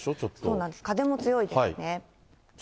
そうなんです、風も強いですね。